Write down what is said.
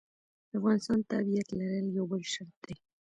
د افغانستان تابعیت لرل یو بل شرط دی.